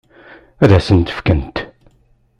Ad s-ten-fkent?